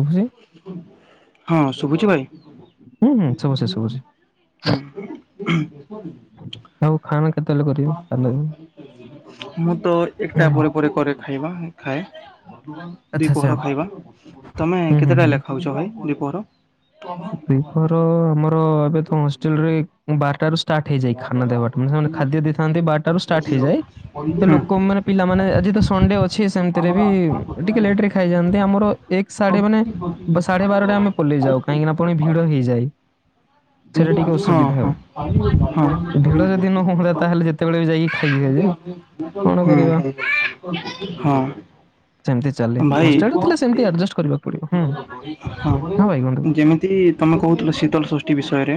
ଶୁଭୁଛି [inaudible] ହଁ ଶୁଭୁଛି ଭାଇ? ହୁଁ [inaudible] ହୁଁ ଶୁଭୁଛି ଶୁଭୁଛି ହୁଁ ହୁଁ ନଁ ଖ କ କେତ [inaudible] ମୁଁ ତ ଏକଟା ପରେ କରେ ଖାଇବା ଖାଏ। ଦି ଆଚ୍ଛା ଆଚ୍ଛା। ପୋହର ଖାଇବା ତମେ ହୁଁ ହୁଁ କେତେ ହେଲେ ଖାଉଛ ଭାଇ ଦି ପୋହର? ର ଆମର ଏବେ ତ ହଷ୍ଟେଲରେ ବାରଟ ରୁ ଟ ହେଇଯାଏ ଖାନା ଦେବାଟା ମାନ ସେମାନେ ଖାଦ୍ୟ ଦେଇଥାନ୍ତି ବାରଟାରୁ ାର୍ଟ ହେଇଯା ସେ ଲୋକ ହୁଁ ମାନେ ପିଲାମାନେେ ଆଜି ତ ସଣ୍ଡେ ଅଛି ସେମିତିରେ ବି ଟିକେ ଲେଟ ରେ ଖାଇଯାଆନ୍ତି। ଆମର ସାଢେ ମାନେ ସାଢେ ବାରଟା ଆମେ ପଲେଇ ଯାଉ କାହିଁକି ନା ପୁଣି ଭିଡ ହେଇଯାଏ। ସେଇଟା ଟିକେ ହଁ ଅସୁବିଧା ହ ଆଉ। [unintelligible] ହଁ ଭିଡ ଯଦି ନ ହୁଅନ୍ତା ତାହେଲେ ଯେତେବେଳେ ବି ଯାଇକି ଖାଇ ହୁଏ ଯେ କଣ କରିବା। ହଁ ହଁ ସେମିତି ଚାଲେ ଭାଇ ହଷ୍ଟେଲରେ ହଁ ଥିଲେ ସେମିତି ଆଡଜଷ୍ଟ କରିବାକୁ ପଡିବ ହୁଁ ହଁ ଭାଇ କୁହନ୍ତୁ। ଯେମିତି ତମେ କହୁଥିଲ ଶୀତଳ ସୃଷ୍ଟି ବିଷୟରେ।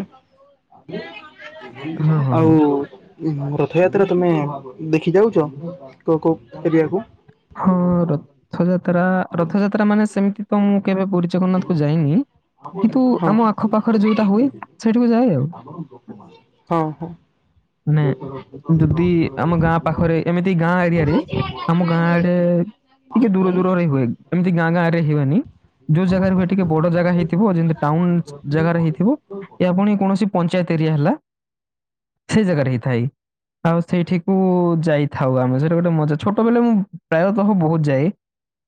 ହଁ, ହଁ, ଆଉ ଉ ହଁ। ରଥଯାତ୍ରା ତମେ ଦେଖି ଯାଉଛ? [inaudible] ଏରିଆକୁ ହଁ, ରଥଯାତ୍ରା ରଥଯାତ୍ରା ମାନେ ସେମିତି ତ ମୁଁ କେବେ ପୁରୀ ଜଗନ୍ନାଥ କୁ ଯାଇନି। ହଁ କିନ୍ତୁ ଆମ ଆଖପାଖରେ ଯୋଉଟା ହୁଏ ସେଇଠିକୁ ଯାଏ ଆଉ। ହଁ ହଁ। ମାନେ ଯଦି ଆମ ଗାଁ ପାଖରେ ଏମିତି ଗାଁ ଏରିଆରେ ଆମ ଗାଁ ଆଡେ ଟିକେ ଦୂର ଦୂରରେ ହୁଏ ଏମିତି ଗାଁ ଗାଁ ରେ ହୁଏନି। ଯୋଉ ଜାଗାରେ ବି ଟିକେ ବଡ ଜାଗା ହେଇଥିବ ଯେମିତି ଟାଉନ ଜାଗାରେ ହେଇଥିବ ଏ ଆପଣ କୌଣସି ପଞ୍ଚାୟତ ଏରିଆ ହେଲା। ସେଇ ଜାଗାରେ ହେଇଥାଏ ଆଉ ସେଇଠିକୁ ଯାଇଥାଉ ଆମେ ସେଠି ଗୋଟେ ମଜା ଛୋଟ ବେଳେ ମୁଁ ପ୍ରାୟତଃ ବହୁତ ଯାଏ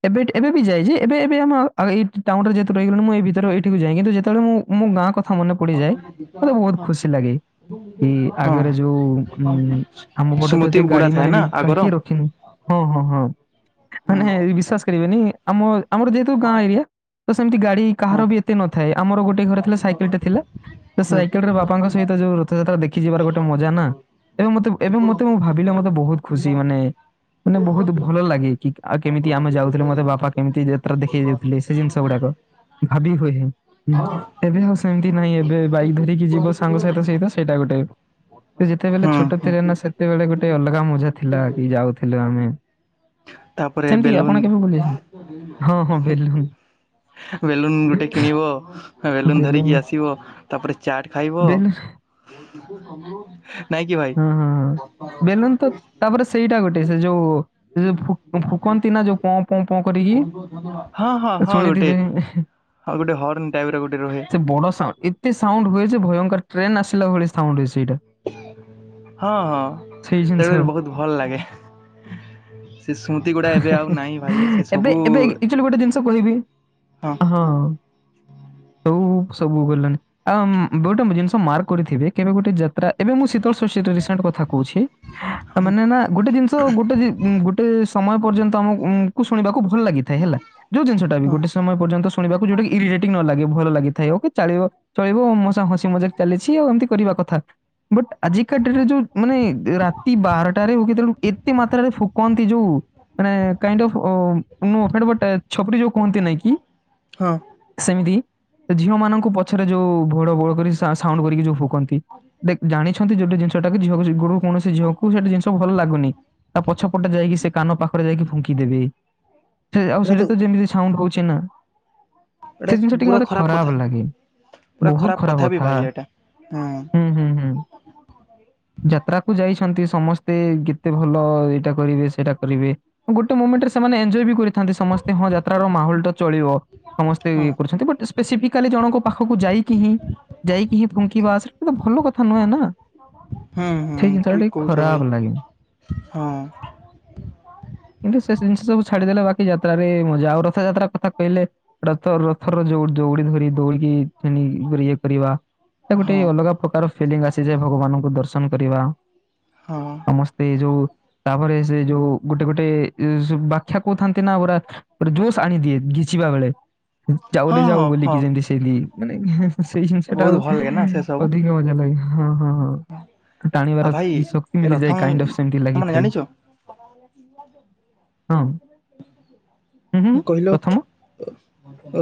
ଏବେ ଏବେ ବି ଯାଏ ଯେ ଏବେ ଏବେ ଆମ ଏଇ ଟାଉନରେ ଯେହେତୁ ରହିଗଲୁଣୁ ମୁଁ ଏଇ ଭିତରେ ଏଠିକୁ ଯାଏ କିନ୍ତୁ ଯେତେବେଳେ ମୁଁ ମୁଁ ଗାଁ କଥା ମନେ ପଡିଯାଏ ମତେ ବହୁତ ଖୁସି ଲାଗେ ଏ ହଁ ଆଗରେ ଯୋଉ ଉଁ ଆମ ପଟେ ତ ସ୍ମୃତି ଏତେ ଗୁଡା ଗାଡି ଥାଏ ମାନେ ନା ବି ଆଗର। କିଏ ରଖିନୁ ହଁ ହଁ ହଁ ମାନେ ହଁ ବିଶ୍ୟାସ୍ କରିବେନି ଆମ ଆମର ଯେହେତୁ ଗାଁ ଏରିଆ ତ ସେମିତି ଗାଡି ହଁ କାହାର ବି ଏତେ ନଥାଏ ଆମର ଗୋଟେ ଘରେ ଥିଲା ସାଇକେଲ ଟେ ଥିଲା ସେ ହୁଁ ହୁଁ ସାଇକେଲ ରେ ବାପାଙ୍କ ସହିତ ଯୋଉ ରଥଯାତ୍ରା ଦେଖ ଦେଖି ଯିବାର ଗୋଟେ ମଜା ନା ଏବେ ମତେ ଏବେ ମତେ ମୁଁ ଭାବିଲେ ମତେ ବହୁତ ଖୁସି ମାନେ ମାନେ ବହୁତ ଭଲ ଲାଗେ କି ଆଉ କେମିତି ଆମେ ଯାଉଥିଲୁ ମତେ ବାପା କେମିତି ଯାତ୍ରା ଦେଖେଇ ଯାଉଥିଲେ ସେ ଜିନିଷ ଗୁଡାକ ଭାବି ହୁଏ ହଁ [unintelligible] ଁ ଏବେ ହଉ ସେମିତି ନାହିଁ ଏବେ ବାଇକ ଧରିକି ଯିବ ସାଙ୍ଗ ସାହିତ ସହିତ ସେଇଟା ଗୋଟେ ତ ଯେତେବେଳେ ଛୋଟ ହୁଁ ଥିଲେ ନା ସେତେବେଳେ ଗୋଟେ ଅଲଗା ମଜା ଥିଲା କି ଯାଉଥିଲୁ ଆମେ ତାପରେ ଏ ସେମିତି ଆପଣ ବେଲୁନ୍ କେବେ ବୁଲିଛନ୍ତି? ହଁ ହଁ ବେଲୁନ ବେଲୁନ୍ ଗୋଟେ କିଣିବ ବେଲୁନ ଧରିକି ଆସିବ ତାପରେ ଚାଟ ଖାଇବ ବେଲୁନ ନାଇଁ କିି ଭାଇ ହୁଁ ହୁଁ ବେଲୁନ ତ ତାପରେ ସେଇଟା ଗୋଟେ ସେ ଯୋଉ ଫୁକନ୍ତି ନା ଯୋଉ ପଁ ପଁ ପଁ କରିକି ହଁ ହଁ ହଁ ଗୋଟେ ଶୁଣିଥିବେ ହଁ ଗୋଟେ ହର୍ଣ ଟାଇପ ର ଗୋଟେ ରହେ ସେ ବଡ ସାଉଣ୍ଡ ଏତେ ସାଉଣ୍ଡ ହୁଏ ଯେ ଭୟଙ୍କର ଟ୍ରେନ ଆସିଲା ଭଳି ସାଉଣ୍ଡ ହୁଏ ସେଇଟା ହଁ ହଁ ସେଇ [unintelligible] ସେ ବହୁତ ଭଲ ଲାଗେ ସେ ସ୍ମୃତି ଗୁଡା ହେଁ ଏବେ ହେଁ ଆଉ ନାହିଁ ଭାଇ ହେଁ ସେ ଏବେ ଏବେ ସବୁ ଆକ୍ଚୁଲି ଗୋଟେ ଜିନିଷ କହିବି ହଁ। ସବଉ ସବୁ ଗଲଣିି ଆଉ ଗୋଟେ ଜିନିଷ ମାର୍କ କରିଥିବେ କେବେ ଗୋଟେ ଯାତ୍ରା ଏବେ ମୁଁ ଶୀତ [unintelligible] ଗୋଟେ ରିସେଣ୍ଟ କଥା କହୁଛି ହଁ ମାନେ ନା ଗୋଟେ ଜିନିଷ ତ ଗୋଟେ ଗୋଟେ ସମୟ ପର୍ଯ୍ୟନ୍ତ ଆମ କୁ ଶୁଣିବାକୁ ଭଲ ଲାଗିଥା ହେଲା ଯୋଉ ଜିନିଷଟା ବି ହଁ ଗୋଟେ ସମୟ ପର୍ଯ୍ୟନ୍ତ ଶୁଣିବାକୁ ଯୋଉଟା ଇରିଟେଟିଂଙ୍ଗ୍ ନ ଲାଗେ ଭଲ ଲାଗି ଥାଏ ଓକେ ଚାଳିବ ଚଳିବ [unintelligible] ମା ହସି ମଜାକ ଚାଲିଛି ଆଉ ଏମିତି କରିବା କଥା ବଟ୍ ଆଜିକା ଡେଟରେ ଯୋଉ ମାନେ ରାତି ବାରଟାରେ ହଉ କି ତେଣୁ ଏତେ ମାତ୍ରାରେ ଫୁକନ୍ତି ଯୋଉ ମାନେ କାଇନ୍ଡ ଅଫ୍ [unintelligible] ଛପରି ଯୋଉ କୁହନ୍ତି ନାଇଁ କି ହଁ। ସେମିତି ଝିଅ ମାନଙ୍କୁ ପଛରେ ଯୋଉ ଭୋଳ ଭୋଳ କରି ସ୍ୱା ସାଉଣ୍ଡ କରିକି ଯୋଉ ଫୁକନ୍ତି। ଦେକ ଜାଣିଛନ୍ତି ଯେଗୋଟେ ଜିନିଷଟାକୁ ଝିଅକୁ ସେଗୁଡା କୌଣସି ଝିଅକୁ ସେଗୋଟା ଜିନିଷ ଭଲ ଲାଗୁନି। ତା ପଛପଟେ ଯାଇକି ସେ କାନ ପାଖରେ ଯାଇକି ଫୁଙ୍କିଦେବେ ଏ ଆଉ ସେଟା ତ ସେ ଯୋଉ ସାଉଣ୍ଡ ହଉଛି ନା ଏଇଟା ସେ ଜିନିଷ ଟିକେ ପୁରା ମତେ କଥା ଖରାପ ଲାଗେ। ପୁରା ବହୁତ ଖରାପ ବି କଥା ଭାଇ ଏଇଟା ହଁ ହୁଁ ହୁଁ ହୁଁ। ଯାତ୍ରାକୁ ଯାଇଛନ୍ତି ସମସ୍ତେ କେତେ ଭଲ ଏଇଟା କରିବେ ସେଟା କରିବେ ଗୋଟେ ମୁମେଣ୍ଟରେ ସେମାନେ ଏଞ୍ଜୟ ବି କରିଥାନ୍ତି ସମସ୍ତେ ହଁ ଯାତ୍ରାର ମାହୋଲ ଟା ଚଳିବ। ସମସ୍ତେ ବି ହଁ ଏ କରୁଛନ୍ତି ବଟ ସ୍ପେସିଫିକାଲି ଜଣଙ୍କ ପାଖକୁ ଯାଇକି ହିଁ ଯାଇକି ହିଁ ଫୁଙ୍କିବା ସେଟା ତ ଭଲ କଥା ନୁହେଁ ନା ହଁ ହଁ ସେଇ ଜିନିଷଟା ଠିକ ଟିକେ କହୁଛ ଖରାପ ଭାଇ ଲାଗେ। ହଁ। କିନ୍ତୁ ସେ ସ ଜିନିଷ ସବୁ ଛାଡିଦେଲେ ବାକି ଯାତ୍ରାରେ ମଜା ଆଉ ରଥଯାତ୍ରା କଥା କହିଲେ ରଥ ରଥର ଯୋଉ ଦଉଡି ଧରି ଦଉଡିକି ଣି ଇଏ କରିବା ତ ଗୋଟେ ହଁ ଅଲଗା ପ୍ରକାର ଫିଲିଙ୍ଗ ଆସିଯାଏ ଭଗବାନଙ୍କୁ ଦର୍ଶନ କରିବା ହଁ। ସମସ୍ତେ ଯୋଉ ତାପରେ ସେ ଯୋଉ ଗୋଟେ ଗୋଟେ ଏ ଯୋଉ ସବୁ ବା କଥା କହୁଥାନ୍ତି ନା ପୁରା ଗୋଟେ ଜୋସ ଆଣିଦିଏ ଘିଚିବା ବେଳେ ଯାଉରେ ହଁ ହଁ ଯାଉ ହଁ ବୋଲିକି ଯେମତି ସ ଲି ମାନେ ସେଇ ଜିନିଷ ଟା ବହୁତ ଆଉ ଭଲ ଲାଗେ ନା ସେ ସବୁ ଅଧିକ ମଜା ଲାଗେ ହଁ ହଁ ହଁ। ଆଉ ଟାଣିବାର ଭାଇ ବି ଶକ୍ତି ରଥ ମିଳିଯାଏ କାଇଣ୍ଡ ଅଫ୍ ସେମତି ମାନେ ଲାଗିଥାଏ। ଜାଣିଛ ହଁ [unintelligible] ହୁଁ କହିଲ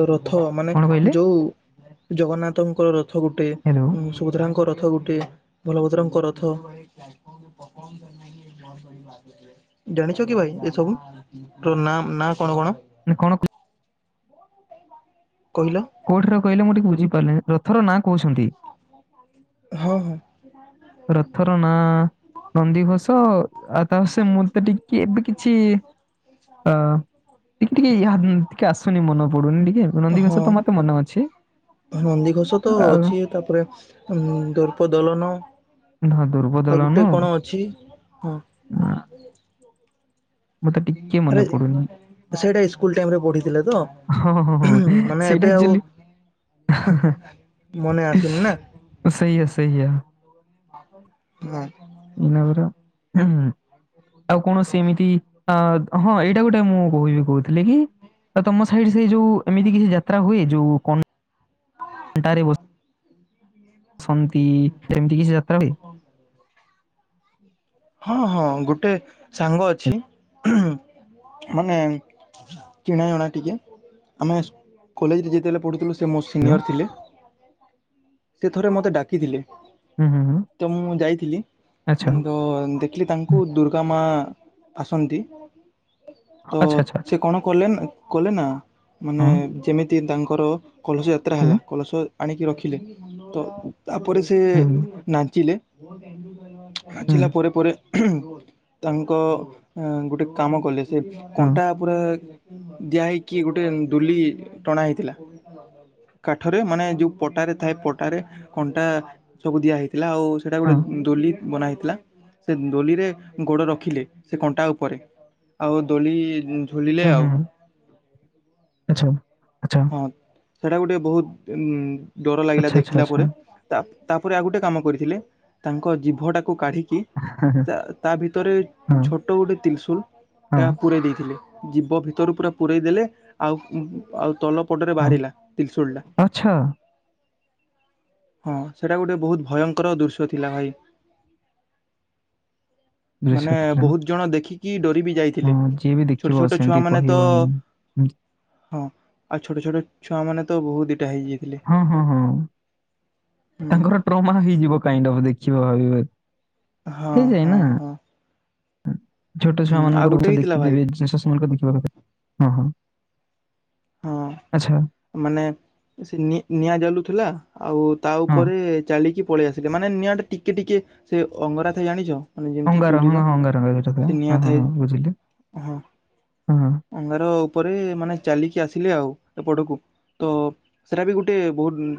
ରଥ ମାନେ କଣ କହିଲେ ଯୋଉ ଜଗନ୍ନାଥଙ୍କର ରଥ ଗୋଟେ ହ୍ୟାଲୋ ଉଁ ସୁଦ୍ରାଙ୍କ ରଥ ଗୋଟେ ବଳଭଦ୍ର ଙ୍କ ରଥ ଜାଣିଛ କି ଭାଇ ଏସବୁ ର ନାଁ ନାଁ କଣ କଣ? ନାଁ କଣ କହିଲ? କୋଉଠି ର କହିଲେ ମୁଁ ଟିକେ ବୁଝି ପାରିଲିନି ରଥର ନାଁ କହୁଛନ୍ତି ହଁ ହଁ। ରଥର ନାଁ ନନ୍ଦିଘୋଷ ଆ ଆଉ ତା ସେ ମତେ ଟିକେ କି ଏବେ କିଛି ଆ ଟିକେ ଇଆ ଉଁ ଟିକେ ଆସୁନି ମନ ପଡୁନି ଟିକେ ନନ୍ଦୀଘୋଷ ହଁ ତ ମତେ ମନେ ଅଛି ନନ୍ଦିଘୋଷ ତ ଆଉ ଅଛି ତାପରେ ଉଁ ଦର୍ପଦଲନ ହଁ ଆଉ ଦୁର୍ବଦଳନ ଗୋଟେ କଣ ଅଛି? ହଁ ଆଁ, ମତେ ଟିକେ ମନେ ଆରେ ପଡୁନି ସେଇଟା ସ୍କୁଲଟାଇମ ରେ ପଢିଥିଲେ ତ? ହଁ ହଁ ହଁ ମାନେ ସେଇଟା ଏବେ ଆଉ ଏକଚୋଲି ମନେ ଆସୁନି ନା ସେଇଆ ସେଇଆ। ନାଁ। ନା ପରା ଆଉ କଣ ସେମିତି ଅ ହଁ ଏଇଟା ଗୋଟେ ମୁଁ କହିବି କହୁଥିଲି କି ତମ ସାଇଡ ସେ ଯୋଉ ଏମିତି କିଛି ଯାତ ତ୍ରା ହୁଏ ଯୋଉ କନ ଣ୍ଟା ରେ ବସ ସନ୍ତି ଏମିତି କିଛି ଯାତ୍ରା ହୁଏ? ହଁ ହଁ ଗୋଟେ ସାଙ୍ଗ ଅଛି ମାନେ ଚିଣା ଯଣା ଟିକେ। ଆମେ କଲେଜରେ ଯେତେବେଲେ ପଢ଼ୁଥିଲୁ ସେ ମୋ ହ୍ୟାଲୋ ସିନିୟର ଥିଲେ। ସେ ଥରେ ମୋତେ ଡାକିଥିଲେ। ହୁଁ ହୁଁ ହୁଁ। ତ ମୁଁ ଯାଇଥିଲି ଆଚ୍ଛା ଉଁ ତ ହୁଁ। ଦେଖିଲି ତାଙ୍କୁ ଦୁର୍ଗା ମା ଆସନ୍ତି ତ ଆଚ୍ଛା ଆଚ୍ଛା ଆଚ୍ଛା ସେ କଣ କଲେ ନା କଲେ ନା ମାନେ ହଁ ଯେମିତି ସେ ତାଙ୍କର କଲସି ଯାତ୍ରା ହୁଁ ହେଲା କଳସ ଆଣିକି ରଖିଲେ ତ ତାପରେ ସେ ତେ ହୁଁ ହୁଁ ନାଚିଲେ ହୁଁ, ନାଚିଲା ପରେ ପରେ ତାଙ୍କ ଗୋଟେ କାମ କଲେ ସେ ହଁ କଣ୍ଟା ପୁରା ଦିଆ ହେଇକି ଗୋଟେ ଦୁଲି ଟଣା ହେଇଥିଲା। କାଠରେ ମାନେ ଯୋଉ ପଟାରେ ଥାଏ ପଟାରେ କଣ୍ଟା ସବୁ ଦିଆ ହେଇଥିଲା ଆଉ ସେଇଟା ହଁ ଗୋଟେ ଦୋଲି ବନା ହେଇଥିଲା। ସେ ଦୋଲିରେ ଗୋଡ଼ ରଖିଲେ ସେ କଣ୍ଟା ଉପରେ ଆଉ ଦୋଳି ଝୁଲିଲେ ହୁଁ ଆଉ ହୁଁ ଆଛା ଆଛା। ସେଟା ଗୋଟେ ବହୁତ ଉ ଡର ଲାଗିଲା ଦେଖିଲା ପରେ। ତା ତାପରେ ଆଉ ଗୋଟେ କାମ କରିଥିଲେ ତାଙ୍କ ଜିଭଟାକୁ କାଢ଼ି କି ତା ତା ଭିତରେ ହଁ, ଛୋଟ ଗୋଟେ ତ୍ରିସୁଲ ଟା ହଁ, ପୂରୋଇ ଦେଇଥିଲେ। ଜୀବ ଭିତରୁ ପୁରା ପୁରଇ ଦେଲେ ଆଉ ଆଉ ତଳ ପଟରେ ବାହାରିଲା ତ୍ରିଶୂଳ ଟା। ଛଅ ହଁ ସେଇଟା ଗୋଟେ ବହୁତ ଭୟଙ୍କର ଦୃଶ୍ୟ ଥିଲା ଭାଇ। ମାନେ ଦୃଶ୍ୟ ଥିଲା। ବହୁତ ଜଣ ଦେଖିକି ଡରି ବିି ଯାଇ ଥିଲେ ହଁ, ଯିଏ ବି ଛୋଟ ଦେଖିବ ଛୋଟ ଛୁଆ ସେମିତି ମାନେ ତ କହିବ ହିଁ। ହୁଁ, ହଁ ଆଉ ଛୋଟ ଛୋଟ ଛୁଆମାନେ ତ ବହୁତ ଦିଇଟା ହେଇଯାଇଥିଲେ। ହଁ, ହଁ, ହଁ। ହୁଁ ତାଙ୍କର ଟ୍ରମା ହେଇଯିବ କାଇଁ ତମେ ଦେଖିବ ଭାବିବେ ହଁ ହଁ ହେଇଯାଏନା। ହଁ। ଛୋଟ ଛୁଆ ହୁଁ ଆଉ ମାନଙ୍କର ଗୋଟେ କଥା ହେଇଥିଲା ଭାଇ ଦେଖିଦେବେ ଶଶୁ ମଙ୍କ ଦେଖିବା କଥା ହଁ ହଁ ହଁ ଆଚ୍ଛା। ମାନେ ସେ ନି ନିଆ ଜଲୁଥିଲା ଆଉ ତା ହଁ। ଉପରେ ଚାଲିକି ପଳେଇ ଆସିକେ ମାନେ ନିଆଁ ଟେ ଟିକେ ଟିକେ ସେ ଅଙ୍ଗରା ଥାଏ ଜାଣିଛ? ମାନେ ଯେମିତି ଅଙ୍ଗାର ହ ଚୁଲିର ହଁ ଅଙ୍ଗାରଟା ସେ ହଁ ନିଆଁ ହଁ ଥାଏ ହଁ ବୁଝିଲି ହଁ ହଁ। ଅଙ୍ଗାର ଉପରେ ମାନେ ଚାଲିକି ଆସିଲେ ଆଉ ଏ ପଟକୁ। ତ ସେଇଟା ବି ଗୋଟେ ବହୁତ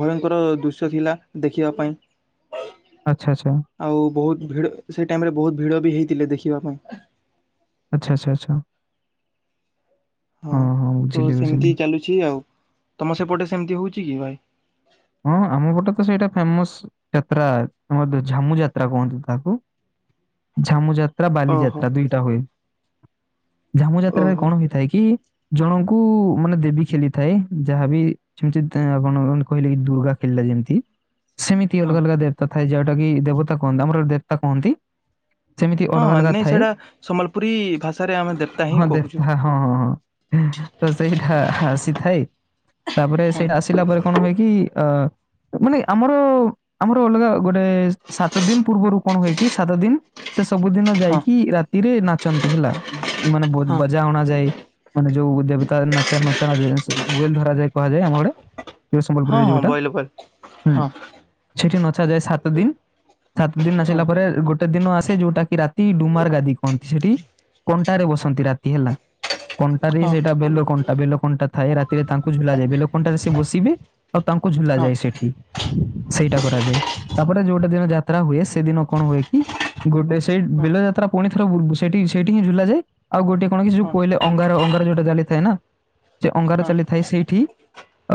ଭୟଙ୍କର ଦୃଶ୍ୟ ଥିଲା ଦେଖିବା ପାଇଁ। ଆଚ୍ଛା ଆଚ୍ଛା। ଆଉ ବହୁତ ଭିଡ଼ ସେ ଟାଇମ୍ ରେ ବହୁତ ଭିଡ଼ ବି ହେଇଥିଲେ ଦେଖିବା ପାଇଁ। ଆଚ୍ଛା ଆଚ୍ଛା ଆଚ୍ଛା। ହଁ ତ ସେମିତି ଚାଲୁଛି ଆଉ ତମ ସେପଟେ ସେମିତି ହୋଉଛି କି ଭାଇ? ହଁ ଆମ ପଟେ ତ ସେଇଟା ଫେମସ ଯାତ୍ରା ଆମର ଝାମୁ ଯାତ୍ରା କୁହନ୍ତି ତାକୁ। ଝାମୁ ଯାତ୍ରା ବାଲିି ଓହୋ ଯାତ୍ରା ଦୁଇଟା ହୁଏ। ଝାମୁ ଯାତ୍ରାରେ ଓହୋ କଣ ହୋଇଥାଏ କି? ଜଣଙ୍କୁ ମାନେ ଦେବୀ ଖେଳିଥାଏ ଯାହାବି ସେମିତି ଆପଣ କହିଲେ କି ଦୁର୍ଗା କିଲ୍ଲା ଯେମିତି ସେମିତି ହଁ ଅଲଗା ଅଲଗା ଦେ ତଥାପି ଯଉଟା କିି ଦେବତା କହନ୍ତି ଆମର ଦେବତା କୁହନ୍ତି। ହଁ ହଁ ନାଇଁ ସେଇଟା ସମ୍ବଲପୁରୀ ଭାଷାରେ ଆମେ ଦେବତା ହିଁ ହଁ କହୁଛୁ। ଦେବତା ହଁ ହଁ ହଁ ତ ସେଇଟା ଆସିଥାଏ ତାପରେ ହଁ ସେଇଟା ଆସିଲା ପରେ କଣ ହୁଏ? କି ଆ ମାନେ ଆମର ଆମର ଅଲଗା ଗୋଟେ ସାତ ଦିନ ପୂର୍ବରୁ କଣ ହୁଏ କି ସାତ ଦିନ। ସେ ସବୁଦିନ ହଁ। ଯାଇକି ରାତିରେ ନାଚନ୍ତି ହେଲା ମାନେ ହଁ ବଜା ଅଣା ଯାଏ। ମାନେ ଯୋଉ ଦେବତା ନାଚା ନଚାଏଲ ଧରାଯାଏ କୁହାଯାଏ ଆମଆଡେ। ସମ୍ବଲପୁରରେ ହଁ ହଁ ଯୋଉଟା ବଇଲେ ବଇଲେ ହୁଁ। ହଁ ସେଠି ନଚାଯାଏ ସାତ ଦିନ ସାତ ଦିନ ହଁ ହଁ ନାଚିଲା ପରେ ଗୋଟେ ଗୋଟେ ଦିନ ଆସେ ଯୋଉଟା କି ରାତି ଡୁମାର ଗାଦି କହନ୍ତି ସେଠି କଣ୍ଟାରେ ବସନ୍ତି ରାତି ହେଲା। କଣ୍ଟାରେ ହଁ। ସେଇଟା ବେଲୋକଣ୍ଟା ବେଲ କଣ୍ଟା ଥାଏ। ରାତିରେ ତାଙ୍କୁ ଝୁଲାଯାଏ ବେଲ କଣ୍ଟାରେ ସେ ବସିବେ। ଆଉ ତାଙ୍କୁ ଝୁଲା ହଁ ଯାଏ ସେଠି। ସେଇଟା କରାଯାଏ ତାପରେ ଯୋଉଟା ଦିନ ଯାତ୍ରା ହୁଏ ସେଦିନ କଣ ହୁଏ କି? ଗୋଟେ ସେଇ ବେଲ ଯାତ୍ରା ପୁଣି ଥର ସେଠି ସେଇଠି ହିଁ ଝୁଲା ଯେ ଆଉ ଗୋଟେ କଣ କି ଯୋଉ ହଁ କୋଇିଲେ ଅଙ୍ଗାର ଅଙ୍ଗାର ଯୋଟା ଗାଲି ଥାଏ ନା। ଯେ ଅଙ୍ଗାର ହଁ ଚାଲିଥାଏ ସେଇଠି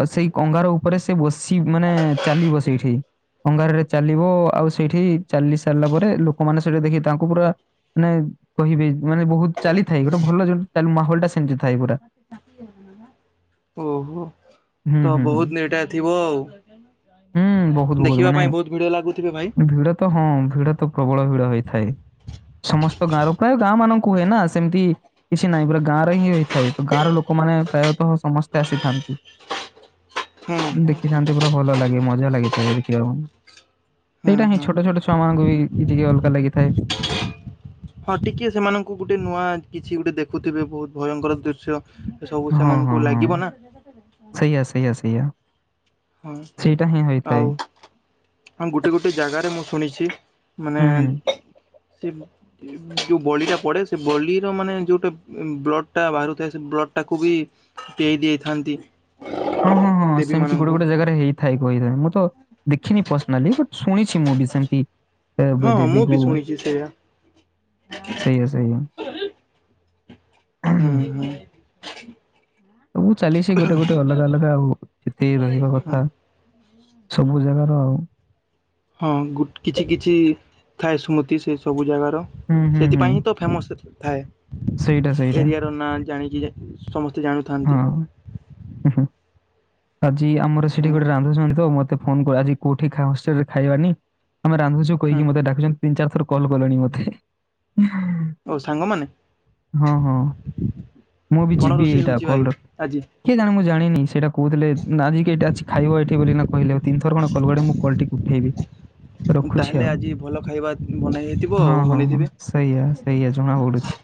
ଆଉ ସେଇ ଅଙ୍ଗାର ଉପରେ ସେ ବସି ମାନେ ଚାଲିବ ସେଇଠି। ଅଙ୍ଗାରରେ ଚାଲିବ ଆଉ ସେଇଠି ଚାଲି ସାରିଲା ପରେ ଲୋକମାନେ ସେଠି ଦେଖିକି ତାଙ୍କୁ ପୁରା ମାନେ କହିବେ ମାନେ ବହୁତ ଚାଲିଥାଏ ଗୋଟେ ଭଲ ମାହୋଲ ଟା ସେମିତି ଥାଏ ପୁରା। ଓହୋ। ହୁଁ, ତ ହୁଁ, ହୁଁ, ବହୁତ ନିଟା ଥିବ ଆଉ ହୁଁ, ବହୁତ ବହୁତ ଦେଖିବା ମାନେ ପାଇଁ ବହୁତ ଭିଡ ଲାଗୁଥିବେ ଭାଇ? ଭିଡ଼ ତ ହଁ ଭିଡ ତ ପ୍ରବଳ ଭିଡ ହେଇଥାଏ। ସମସ୍ତ ଗାଁର ପ୍ରାୟ ଗାଁ ମାନଙ୍କୁ ହୁଏ ନା ସେମିତି। କିଛି ନାହିଁ ପୁରା ଗାଁ ରେ ହିଁ ହେଇଥାଏ ତ ଗାଁର ଲୋକମାନେ ପ୍ରାୟତଃ ସମସ୍ତେ ଆସିଥାନ୍ତି। ହୁଁ ହୁଁ ଦେଖିଥାନ୍ତି ପୁରା ଭଲ ଲାଗେ ମଜା ଲାଗିଥାଏ ଦେଖିବାକୁ। ହୁଁ ସେଇଟା ହିଁ ହୁଁ। ଛୋଟ ଛୋଟ ଛୁଆ ମାନଙ୍କୁ ବି ଟିକେ ଅଲଗା ଲାଗିଥାଏ। ହଁ ଟିକେ ସେମାନଙ୍କୁ ଗୋଟେ ନୂଆ କିଛି ଗୋଟେ ଦେଖୁଥିବେ ବହୁତ ଭୟଙ୍କର ଦୃଶ୍ୟ। ଏ ସବୁ ହଁ, ହଁ, ସେମାନଙ୍କୁ ହଁ, ଲାଗିବ ନା। ସେଇଆ ସେଇଆ ସେଇଆ। ହଁ ସେଇଟା ହିଁ ହୋଇଥାଏ। ଆଉ ହଁ ଗୋଟେ ଗୋଟେ ଜାଗାରେ ମୁଁ ଶୁଣିଛି। ମାନେ ହୁଁ, ହୁଁ, ସେ ଯୋଉ ବଳିଟା ପଡେ ସେ ବଳିର ମାନେ ଯୋଉଟା ବ୍ଲଡ ଟା ବାହାରୁଥାଏ ସେ ବ୍ଲଡ ଟାକୁ ବି ପେଇ ଦେଇଥାନ୍ତି। ହଁ ହଁ ହଁ ଦେବୀ ସେମିତି ଗୋଟେ ମାନଙ୍କୁ ଗୋଟେ ଜାଗାରେ ହେଇଥାଏ କହିଥାଏ ମୁଁ ତ ଦେଖିନି ପର୍ସନାଲି ବଟ ଶୁଣିଚି ମୁଁ ବି ସେମତି ହଁ ଏବେ ହଁ ମୁଁ ବି ଦେବୀକୁ। ଶୁଣିଛି ସେଇଆ। ସେଇଆ ସେଇଆ। ହୁଁ ହୁଁ। ସବୁ ଚାଲି ସେ ଗୋଟେ ଗୋଟେ ଅଲଗା ଅଲଗା ଆଉ ଯେତେ ରହିବା ହଁ କଥା। ସବୁ ଜାଗାର ଆଉ। ହଁ ଗୁଟ କିଛି କିଛି ଥାଏ ସ୍ମୃତି ସେ ସବୁ ଜାଗା ହୁଁ, ହୁଁ, ହୁଁ। ସେଥିପାଇଁ ହିଁ ତ ଫେମସ୍ ଥାଏ। ସେଇଟା ସେଇଟା ଏରିଆ ର ନାଁ ଜାଣିକି [unintelligible] ସମସ୍ତେ ଜାଣୁ ହଁ ଉଁ ହୁଁ ଆଜି ଆମର ସେଠି ହୁଁ ଗୋଟେ ରାନ୍ଧୁଚନ୍ତି ତ ମତେ ଫୋନ କୁ ଆଜି କୋଉଠି ଖା ହଷ୍ଟେଲରେ ଖାଇବାନି। ଆମେ ରାନ୍ଧୁଚୁ ହୁଁ କହିକି ମତେ ଡାକୁଚ ତିନି ଚାରି ଥର କଲ କଲେଣି ମତେ ହେ। ଓ ସାଙ୍ଗମାନେ ହଁ ହଁ ମୁଁ ବି କଣ ଯିବି ରୋଷେଇ ଏଇଟା ହଉଛି କଲ ଭାଇ ର ଆଜି? କିଏ ଜାଣେ ମୁଁ ଜାଣିନି ସେଇଟା କହୁଥିଲେ ନା ଆଜିିକ ଅଛି ଖାଇବ ଏଠି ବୋଲି। କହିଲେ ତିନିଥର କଣ କଲ [unintelligible] ମୁଁ କଲ ଟିକୁ ଉଠେଇିବି। ରଖୁଚି ତାହେଲେ ଆଉ ଆଜି ଭଲ ଖାଇବା ବନେଇ ହେଇଥିବ ହଁ ହଁ ହଁ ବନେଇଥିବେ। ସେଇଆ ସେଇଆା ଜଣା ପଡୁଚି।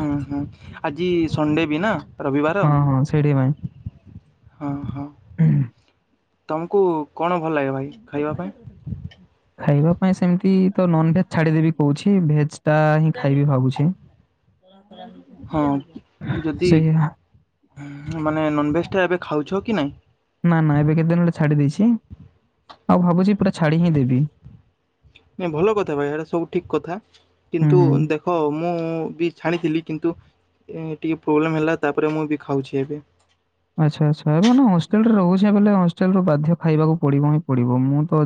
ହଁ ହଁ ଆଜି ସଂଣ୍ଡେ ବି ନା ରବିବାର। ହଁ, ହଁ ସେଇଠି କି ପାଇଁ। ହଁ ହଁ। [unintelligible] ତମକୁ କଣ ଭଲ ଲାଗେ ଭାଇ ଖାଇବା ପାଇଁ? ଖାଇବା ପାଇଁ ସେମିତି ତ ନନଭେଜ ଛାଡିଦେବି କୋହୁଛି। ଭେଜ ଟା ହିଁ ହଁ ଯଦି ଖାଇବି ଭାବୁଛି। [unintelligible] ସେଇଆ ମାନେ ନନଭେଜ ଟା ଏବେ ଖାଉଚ କି ନାଇଁ? ନା ନା ଏବେ କେତେ ଦିନ ହେଳେ ଛାଡି ଦେଇଚି ଆଉ ଭାବୁଚି ପୁରା ଛାଡି ହିଁ ଦେବି। ନାଁଇ ଭଲ କଥା ଭାଇ ହେରା ସବୁ ଠିକ କଥା ହୁଁ, କିନ୍ତୁ ହୁଁ। ଦେ ଖ ମୁଁ ବି ଛାଣିଥିଲି କିନ୍ତୁ ଟିକିେ ପ୍ରୋବ୍ଲେମ୍ ହେଲା ତାପରେ ମୁଁ ବି ଖାଉଚି ଏବେ। ଆଛା ଆଛା ଏବେ ମାନେ ହଷ୍ଟେଲ ରେ ରହୁଚି ବୋଲେ ହଷ୍ଟେଲରୁ ବାଧ୍ୟ ଖାଇବାକୁ ପଡିବ ହିଁ ପଡିବ। ମୁଁ ତ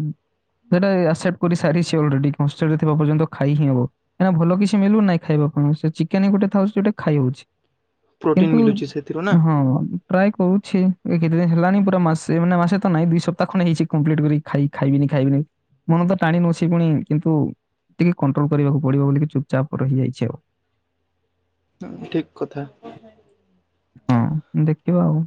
ସେଟା ଆସେପ୍ଟ କରି ସାରିଚି ଅଲରେଡି ହଷ୍ଟେଲ ଥିବା ପର୍ଯ୍ୟନ୍ତ ଖାଇ ହିଁ ହବ। କାହିଁକି ଭଲ କିଛି ମିଲୁନାଇଁ ଖାଇବା ପାଇଁ ସେ ଚିକେନି ଗୋଟେ ଥାଉଚି ଯୋଉଟା କି ଖାଇ ହୋଉଚି। ପ୍ରୋଟିନ୍ କିନ୍ତୁ ମିଳୁଛି ସେଥିରୁ ନା ହଁ। ଟ୍ରାଏ କରୁଛି ଏ କେତେଦିନ ହେଲାଣିି ପୁରା ମାସେ, ମାନେ ମାସେ ତ ନାଇଁ ଦିଇ ସପ୍ତାହ ଖନେ ହେଇଚି କମ୍ପ୍ଲିଟ୍ କରି ଖାଇ ଖାଇବିନି ଖାଇବିନି ମନ ତ ଟାଣି ନୋଉଚି ଫୁଣି କିନ୍ତୁ ଟିକେ କଣ୍ଟ୍ରୋଲ କରିବାକୁ ପଡିବ ବୋଲି ଚୁପଚାପ୍ ରହିଯାଇଚି ଆଉ। ଉଁ ଠିକ୍ କଥା। ହଁ ଦେଖିବା ଆଉ।